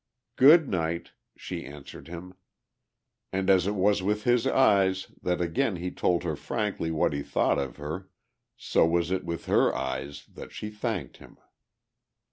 "Good night," she answered him. And as it was with his eyes that again he told her frankly what he thought of her, so was it with her eyes that she thanked him.